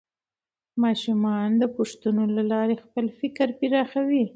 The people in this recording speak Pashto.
ماشومان د پوښتنو له لارې خپل فکر پراخوي